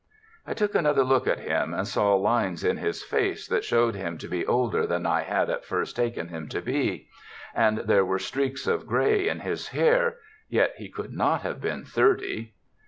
I took another look at him and saw lines in his face that showed him to be older than I had at first taken him to be. And there were streaks of gray in his hair, yet he could not have been thirty.